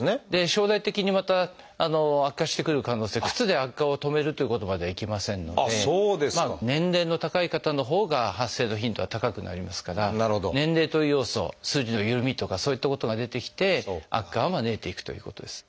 将来的にまた悪化してくる可能性靴で悪化を止めるっていうことまではいきませんので年齢の高い方のほうが発生の頻度は高くなりますから年齢という要素筋のゆるみとかそういったことが出てきて悪化を招いていくということです。